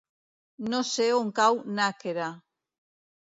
No sé on cau Nàquera.